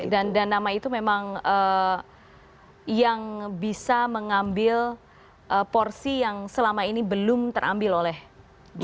dan nama itu memang yang bisa mengambil porsi yang selama ini belum terambil oleh jokowi